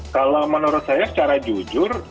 kalau menurut saya secara jujur